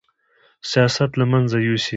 سیاست له منځه یوسي